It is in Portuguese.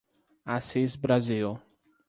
Assis Brasil